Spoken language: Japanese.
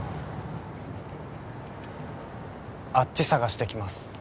あっち捜してきます。